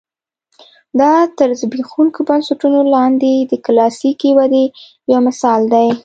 دا تر زبېښونکو بنسټونو لاندې د کلاسیکې ودې یو مثال دی.